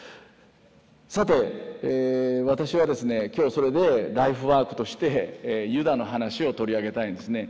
さて私はですね今日それでライフワークとしてユダの話を取り上げたいんですね。